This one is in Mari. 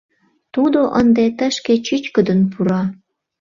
Тудо ынде тышке чӱчкыдын пура.